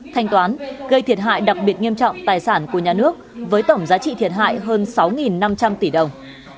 thanh toán gây thiệt hại đặc biệt nghiêm trọng tài sản của nhà nước với tổng giá trị thiệt hại hơn sáu năm trăm linh tỷ đồng